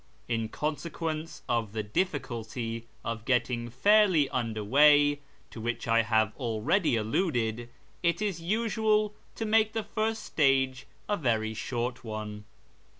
In con sequence of the difficulty of getting fairly under way, to which I have already alluded, it is usual to make the first stage a very short one.